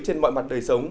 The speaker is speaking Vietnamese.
trên mọi mặt đời sống